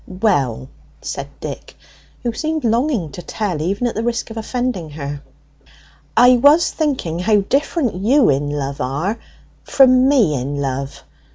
"Well," said Dick, who seemed longing to tell, even at the risk of offending her, "I was thinking how different you in love are from me in love.